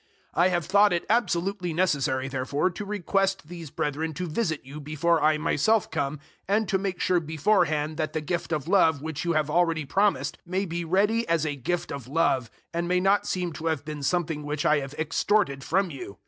009:005 I have thought it absolutely necessary therefore to request these brethren to visit you before I myself come, and to make sure beforehand that the gift of love which you have already promised may be ready as a gift of love, and may not seem to have been something which I have extorted from you.